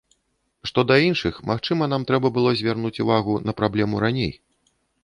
Што да іншых, магчыма, нам трэба было звярнуць увагу на праблему раней.